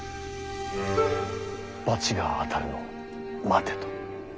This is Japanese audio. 罰が当たるのを待てと。